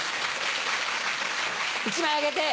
１枚あげて！